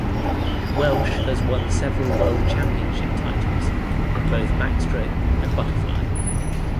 Welsh has won several world championship titles in both backstroke and butterfly.